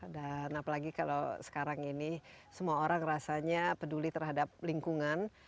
dan apalagi kalau sekarang ini semua orang rasanya peduli terhadap lingkungan